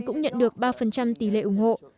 cũng nhận được ba tỷ lệ ủng hộ